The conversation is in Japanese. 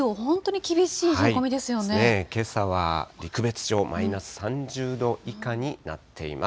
けさは陸別町マイナス３０度以下になっています。